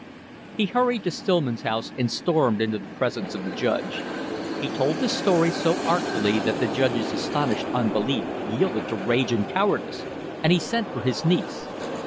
He hurried to Stillman's house and stormed into the presence of the Judge. He told the story so artfully that the Judge's astonished unbelief yielded to rage and cowardice, and he sent for his niece.